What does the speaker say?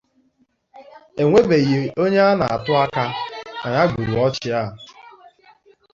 E nwebeghị onye a na-atụ aka na ya gburu ọchụ a